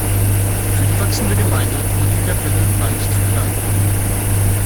Für die wachsende Gemeinde wurde die Kapelle bald zu klein.